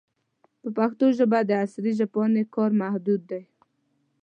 په پښتو ژبه د عصري ژبپوهنې کار محدود دی.